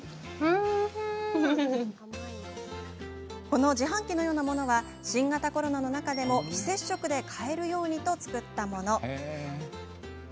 この自販機のようなものは新型コロナの中でも非接触で買えるようにと作ったもの。